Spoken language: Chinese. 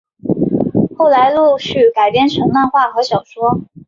后来陆续改编成漫画和小说。